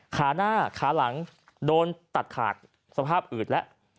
ขาหน้าขาหลังโดนตัดขาดสภาพอืดแล้ว